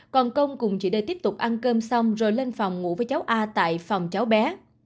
còn công cùng chị đây tiếp tục ăn cơm xong rồi lên phòng ngủ với cháu a tại phòng cháu bé